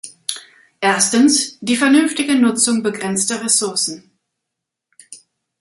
Erstens, die vernünftige Nutzung begrenzter Ressourcen.